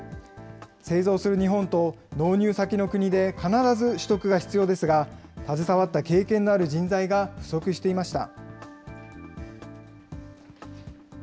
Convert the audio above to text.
製造する日本と、納入先の国で必ず取得が必要ですが、携わった経験のある人材が不足していました。